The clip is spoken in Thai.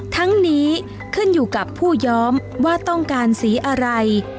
ทั้งนี้ขึ้นอยู่กับผู้ย้อมว่าต้องการสีอะไร